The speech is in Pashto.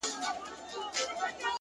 هوښیار فکر راتلونکی اټکلوي